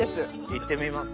いってみます。